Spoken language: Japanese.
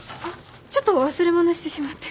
ちょっと忘れ物してしまって。